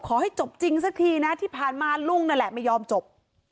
ขอให้จบจริงสักทีนะที่ผ่านมาลุงนั่นแหละไม่ยอมจบ